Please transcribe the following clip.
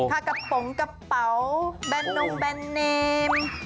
กระป๋องกระเป๋าแบนนมแบนเนม